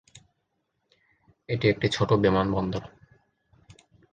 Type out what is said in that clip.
এটি একটি ছোট বিমানবন্দর।